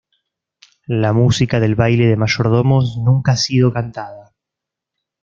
La música del baile de mayordomos nunca ha sido cantada.